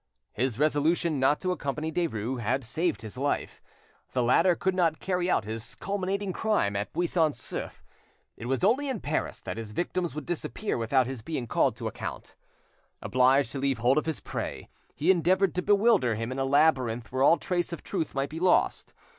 His resolution not to accompany Derues had saved his life. The latter could not carry out his culminating crime at Buisson Souef; it was only in Paris that his victims would disappear without his being called to account. Obliged to leave hold of his prey, he endeavoured to bewilder him in a labyrinth where all trace of truth might be lost.